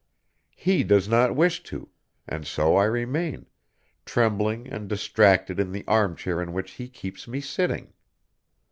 He does not wish to, and so I remain, trembling and distracted in the armchair in which he keeps me sitting.